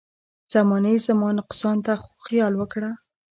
زمانې زما نقصان ته خو خیال وکړه.